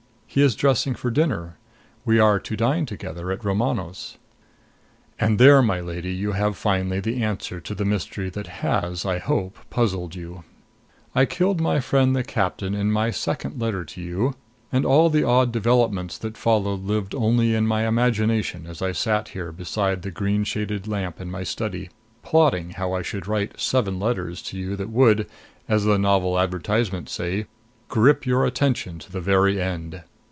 He is dressing for dinner. We are to dine together at Romano's. And there, my lady, you have finally the answer to the mystery that has I hope puzzled you. I killed my friend the captain in my second letter to you, and all the odd developments that followed lived only in my imagination as I sat here beside the green shaded lamp in my study, plotting how I should write seven letters to you that would, as the novel advertisements say, grip your attention to the very end.